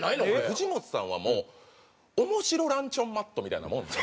藤本さんはもう面白ランチョンマットみたいなもんで。